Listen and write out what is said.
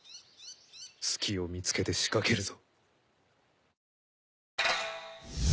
隙を見つけて仕掛けるぞ。